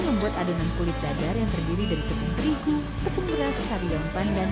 membuat adonan kulit dadar yang terdiri dari tepung terigu tepung beras sari lompat dan